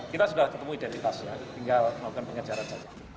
kita sudah ketemu identitasnya tinggal melakukan pengajaran saja